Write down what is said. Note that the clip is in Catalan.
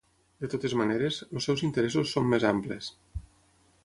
De totes maneres, els seus interessos són més amplis.